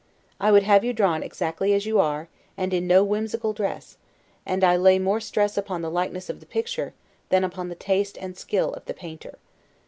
I would have you drawn exactly as you are, and in no whimsical dress: and I lay more stress upon the likeness of the picture, than upon the taste and skill of the painter.